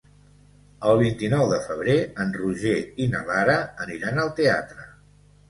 El vint-i-nou de febrer en Roger i na Lara aniran al teatre.